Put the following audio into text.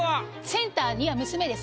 センターには娘です。